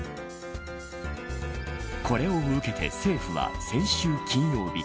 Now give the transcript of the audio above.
これを受けて政府は先週金曜日。